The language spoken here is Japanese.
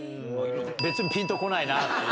別にぴんとこないな。